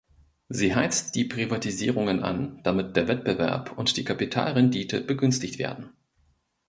Sie heizt die Privatisierungen an, damit der Wettbewerb und die Kapitalrendite begünstigt werden.